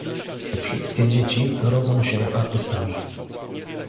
"Wszystkie dzieci rodzą się artystami